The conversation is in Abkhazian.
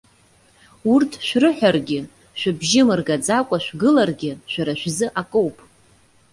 Урҭ шәрыҳәаргьы, шәыбжьы мыргаӡакәа шәгыларгьы шәара шәзы акоуп.